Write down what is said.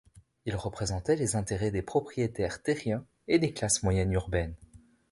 Il représentait les intérêts des propriétaires terriens et des classes moyennes urbaines.